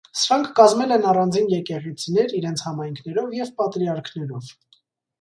Սրանք կազմել են առանձին եկեղեցիներ իրենց համայնքներով և պատրիարքներով։